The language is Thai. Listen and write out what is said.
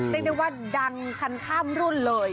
เรียกได้ว่าดังคันข้ามรุ่นเลย